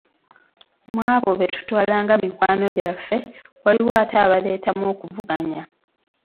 Mu abo be tutwalanga mikwano gyaffe waliwo ate abaleetamu okuvuganya.